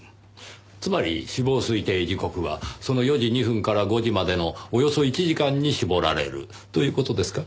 つまり死亡推定時刻はその４時２分から５時までのおよそ１時間に絞られるという事ですか？